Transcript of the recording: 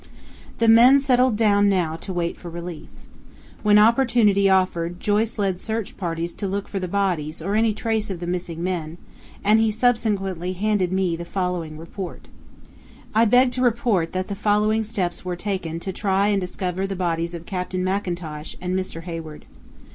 The men settled down now to wait for relief. When opportunity offered Joyce led search parties to look for the bodies or any trace of the missing men, and he subsequently handed me the following report: "I beg to report that the following steps were taken to try and discover the bodies of Captain Mackintosh and Mr. Hayward.